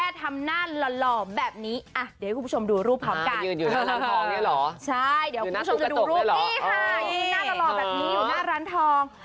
นี่ค่ะหน้าหล่อหล่อแบบนี้อยู่หน้าร้านทอง